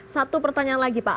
satu pertanyaan lagi pak